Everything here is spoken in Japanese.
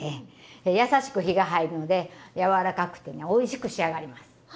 優しく火が入るので柔らかくてねおいしく仕上がります。